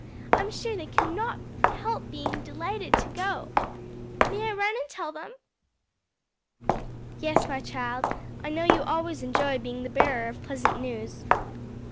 I'm sure they cannot help being delighted to go. May I run and tell them?" "Yes, my child; I know you always enjoy being the bearer of pleasant news."